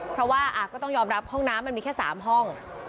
เพราะว่าก็ต้องยอมรับห้องน้ำมันมีแค่๓ห้อง